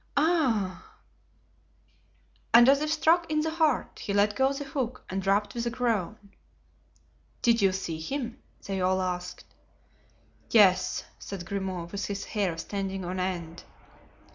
Ah——" And as if struck in the heart he let go the hook and dropped with a groan. "Did you see him?" they all asked. "Yes," said Grimaud, with his hair standing on end.